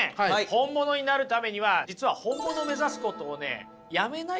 本物になるためには実は本物を目指すことをねやめないといけないんですよね。